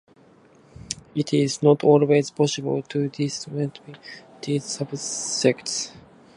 It is not always possible to distinguish these subjects.